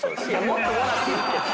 もっともらっていいんですよ。